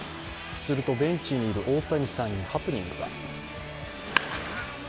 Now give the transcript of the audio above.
するとベンチにいる大谷さんにハプニングが。